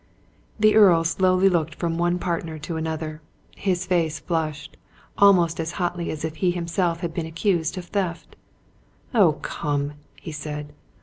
The Earl slowly looked from one partner to another. His face flushed, almost as hotly as if he himself had been accused of theft. "Oh, come!" he said.